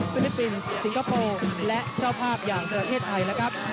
ลิปปินส์สิงคโปร์และเจ้าภาพอย่างประเทศไทยนะครับ